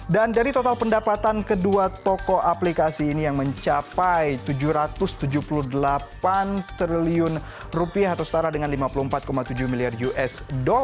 dan dari total pendapatan kedua toko aplikasi ini yang mencapai rp tujuh ratus tujuh puluh delapan triliun atau setara dengan lima puluh empat tujuh milyar usd